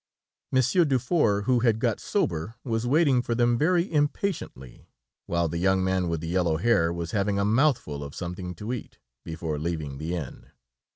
Monsieur Dufour, who had got sober, was waiting for them very impatiently, while the young man with the yellow hair, was having a mouthful of something to eat, before leaving the inn.